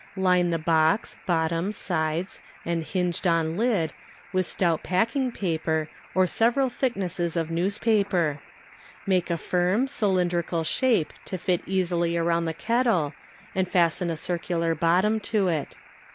Line the box, bottom, sides and hinged on lid with stout packing paper, or several thicknesses or news paper. Make a firm, cylindrical shape to fit easily around the kettle and fasten a circular bottom to it.